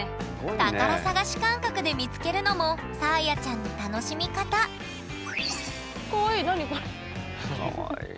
宝探し感覚で見つけるのもさあやちゃんの楽しみ方かわいい何これ。